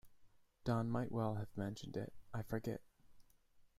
Don might well have mentioned it; I forget.